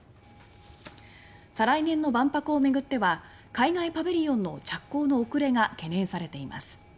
再来年の万博を巡っては海外パビリオンの着工の遅れが懸念されています。